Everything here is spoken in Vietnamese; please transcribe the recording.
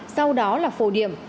sau đó là phổ điểm